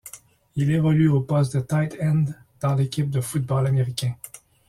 Il évolue au poste de tight end dans l'équipe de football américain.